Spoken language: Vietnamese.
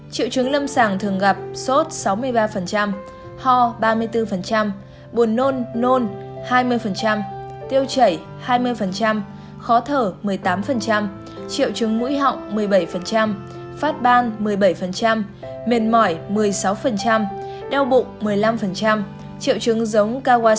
triệu chứng lâm sàng thường gặp sốt sáu mươi ba ho ba mươi bốn buồn nôn nôn hai mươi tiêu chảy hai mươi khó thở một mươi tám triệu chứng mũi họng một mươi bảy phát ban một mươi bảy mệt mỏi một mươi sáu đau bụng một mươi năm triệu chứng giống ca bệnh